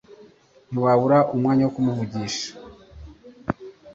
ntiwabura umwanya wo kumuvugisha